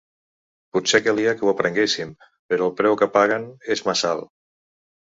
Potser calia que ho aprenguéssim, però el preu que paguen és massa alt.